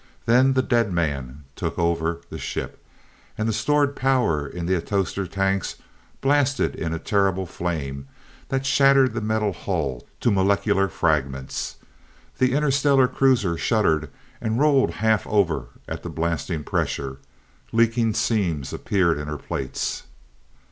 Then the "dead man" took over the ship and the stored power in the atostor tanks blasted in a terrible flame that shattered the metal hull to molecular fragments. The interstellar cruiser shuddered, and rolled half over at the blasting pressure. Leaking seams appeared in her plates.